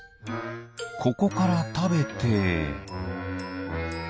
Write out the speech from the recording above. ここからたべて。